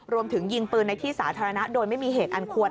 รวมถึงยิงปืนในที่สาธารณะโดยไม่มีเหตุอันควร